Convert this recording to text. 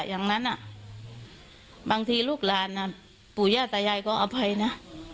อย่างนั้นอ่ะบางทีลูกลานน่ะปู่ย่าตายายก็อภัยนะ